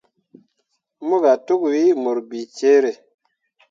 Mobga tokwii mur bicere.